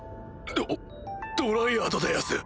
ドドライアドでやす。